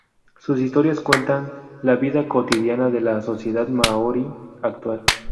Sus historias cuentan la vida cotidiana de la sociedad maorí actual.